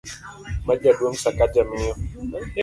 mar Jaduong' Sakaja, miyo